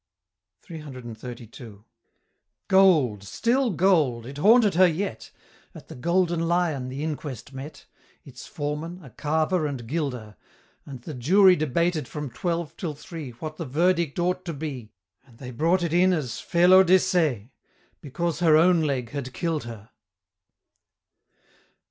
CCCXXXII. Gold still gold! it haunted her yet At the Golden Lion the Inquest met Its foreman, a carver and gilder And the Jury debated from twelve till three What the Verdict ought to be, And they brought it in as Felo de Se, "Because her own Leg had kill'd her!"